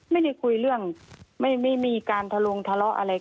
ไม่ได้คุยเรื่องไม่มีการทะลงทะเลาะอะไร